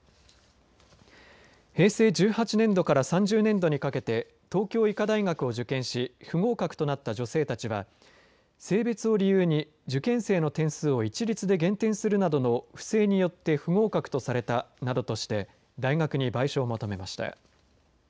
平成１８年度から３０年度にかけて東京医科大学を受験し不合格となった女性たちは性別を理由に受験生の点数を一律で減点するなどの不正によって不合格とされたなどとして大学に賠償を求めました。